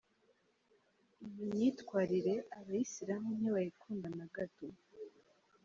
Iyi myitwarire abayisilamu ntibayikunda na gato.